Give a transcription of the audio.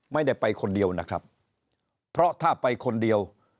ไม่ได้ไปคนเดียวนะครับเพราะถ้าไปคนเดียว